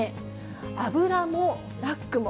油も、マックも。